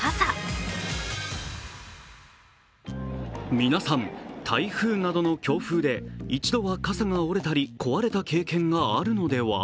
皆さん、台風などの強風で一度は傘が折れたり壊れた経験があるのでは？